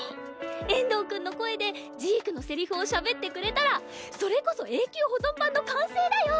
遠藤くんの声でジークのセリフをしゃべってくれたらそれこそ永久保存版の完成だよ！